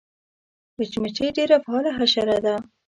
مچمچۍ ډېره فعاله حشره ده